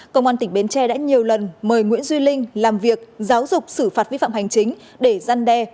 công an tỉnh bến tre đã nhiều lần mời nguyễn duy linh làm việc giáo dục xử phạt vi phạm hành chính để gian đe